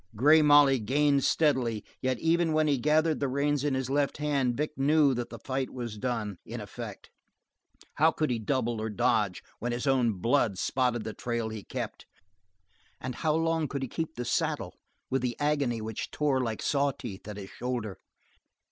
Grey Molly gained steadily, yet even when he gathered the reins in his left hand Vic knew that the fight was done, in effect. How could he double or dodge when his own blood spotted the trail he kept, and how long could he keep the saddle with the agony which tore like saw teeth at his shoulder?